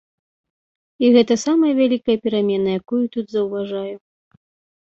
І гэта самая вялікая перамена, якую тут заўважаю.